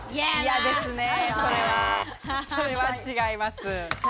それは違います。